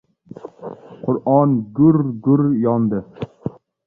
Qur’on gur-gur yondi!